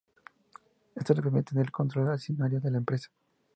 Esto le permitió tener el control accionario de la empresa.